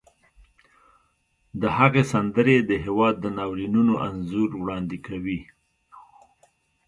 د هغې سندرې د هېواد د ناورینونو انځور وړاندې کوي